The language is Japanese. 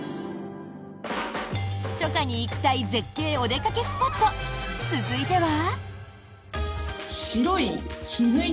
初夏に行きたい絶景お出かけスポット続いては。